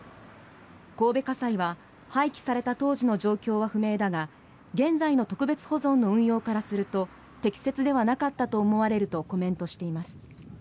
神戸家裁は廃棄された当時の状況は不明だが現在の特別保存の運用からすると適切ではなかったと思われるとコメントしています。